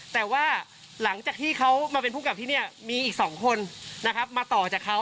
แต่ว่าหลังจากที่เขามาเป็นผู้กลับที่นี่มีอีก๒คนนะครับมาต่อจากเขา